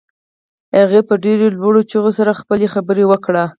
هغې په ډېرو لوړو چيغو سره خپله خبره وکړه.